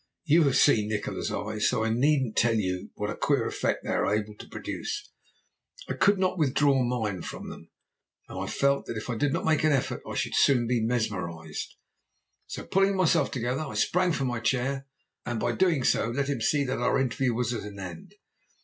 You have seen Nikola's eyes, so I needn't tell you what a queer effect they are able to produce. I could not withdraw mine from them, and I felt that if I did not make an effort I should soon be mesmerized. So, pulling myself together, I sprang from my chair, and, by doing so, let him see that our interview was at an end.